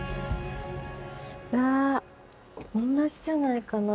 同じじゃないかな